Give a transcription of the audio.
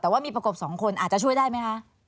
แต่ว่ามีประกบ๒คนอาจจะช่วยได้ไหมคะ